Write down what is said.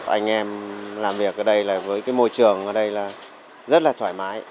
anh em làm việc ở đây với môi trường ở đây rất là thoải mái